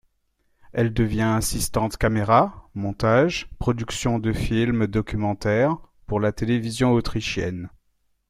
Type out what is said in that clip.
Elle devient assistante caméra, montage, production de films documentaires pour la télévision autrichienne.